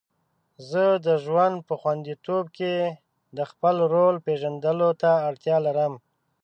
زه د ژوند په خوندیتوب کې د خپل رول پیژندلو ته اړتیا لرم.